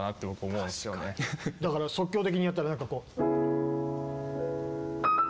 だから即興的にやったらなんかこう。